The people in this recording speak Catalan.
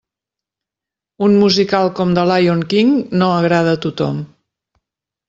Un musical com The Lyon King no agrada a tothom.